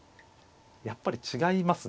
やっぱり違いますね